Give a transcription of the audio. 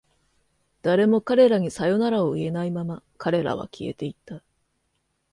誰も彼らにさよならを言えないまま、彼らは消えていった。